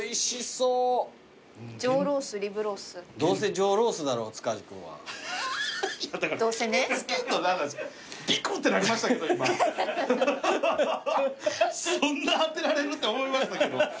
そんな当てられる？と思いましたけど。